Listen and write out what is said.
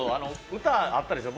歌、あったでしょう？